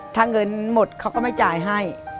ถ้าเงินหมดเขาก็ไม่จ่ายให้